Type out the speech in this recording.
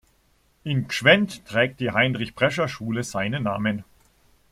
In Gschwend trägt die Heinrich-Prescher-Schule seinen Namen.